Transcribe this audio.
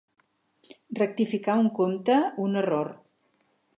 Rectificar un compte, un error.